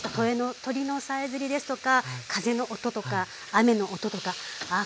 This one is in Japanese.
鳥のさえずりですとか風の音とか雨の音とかあっ